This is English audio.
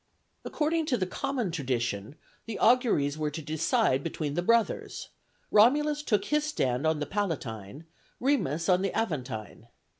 According to the common tradition, the auguries were to decide between the brothers: Romulus took his stand on the Palatine, Remus on the Aventine.